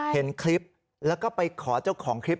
เห็นคลิปแล้วก็ไปขอเจ้าของคลิป